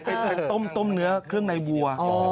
เป็นต้มเนื้อเครื่องในวัว